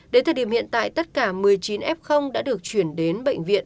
đến thời điểm hiện tại tất cả một mươi chín f đã được chuyển đến bệnh viện